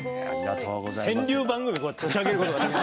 川柳番組立ち上げることができる。